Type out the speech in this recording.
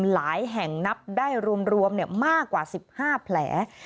หลายแห่งนับได้รวมมากกว่า๑๕แผล